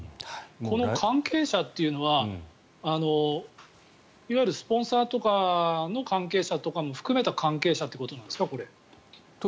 この関係者というのはいわゆるスポンサーとかの関係者とかも含めた関係者ということなんですか？